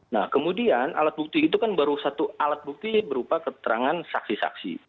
nah kemudian alat bukti itu kan baru satu alat bukti berupa keterangan saksi saksi